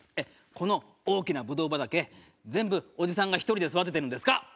この大きなぶどう畑全部おじさんが１人で育ててるんですか？